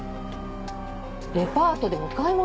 デパートでお買い物です。